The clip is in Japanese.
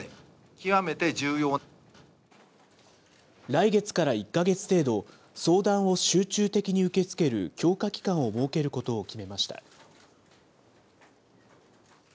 来月から１か月程度、相談を集中的に受け付ける強化期間を設けることを決めました。